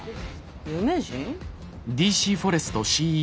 有名人？